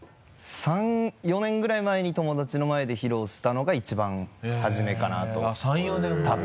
３４年ぐらい前に友達の前で披露したのが１番はじめかなと多分。